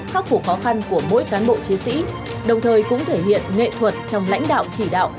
khắc phục khó khăn của mỗi cán bộ chiến sĩ đồng thời cũng thể hiện nghệ thuật trong lãnh đạo chỉ đạo